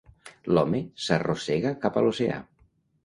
L'home s'arrossega cap a l'oceà.